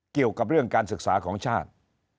เกี่ยวกับเรื่องการศึกษาของชาติ